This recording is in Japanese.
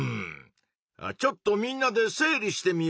ちょっとみんなで整理してみようか？